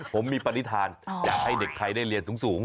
ผมมีปฏิฐานอยากให้เด็กไทยได้เรียนสูง